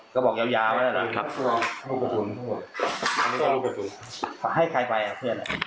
กระบอกยาวไว้ด้านหลังครับให้ใครไปอ่ะเพื่อน